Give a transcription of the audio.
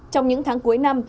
trong những tháng cuối năm